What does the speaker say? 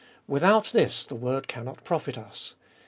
Without this the word cannot profit us.